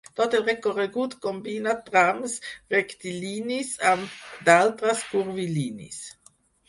Tot el recorregut combina trams rectilinis amb d'altres curvilinis.